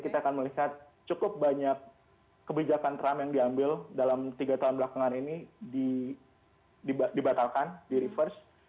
jadi kita akan melihat cukup banyak kebijakan trump yang diambil dalam tiga tahun belakangan ini dibatalkan di reverse